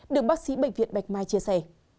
được bác sĩ bệnh viện bạch mai chia sẻ